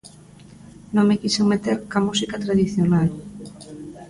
Non me quixen meter coa música tradicional.